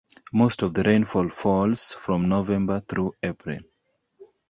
Most of the rainfall falls from November through April.